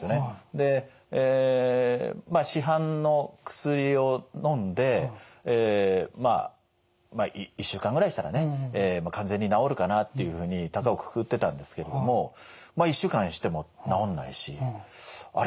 でまあ市販の薬をのんでまあまあ１週間ぐらいしたらね完全に治るかなっていうふうにたかをくくってたんですけれどもまあ１週間しても治んないしあれ？